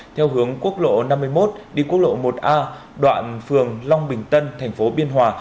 theo hướng quốc lộ năm mươi một đi quốc lộ một a đoạn phường long bình tân thành phố biên hòa